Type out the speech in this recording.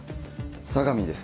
相模です。